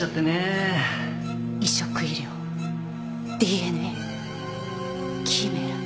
移植医療ＤＮＡキメラ。